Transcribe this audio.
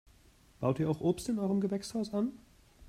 Baut ihr auch Obst in eurem Gewächshaus an?